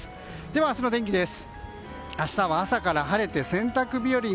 では、明日の天気です。